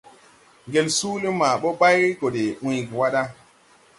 Ngel suuli maa bɔ bay go de uygi wa da.